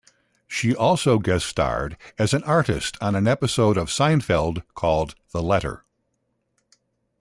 She also guest-starred as an artist on an episode of "Seinfeld" called "The Letter".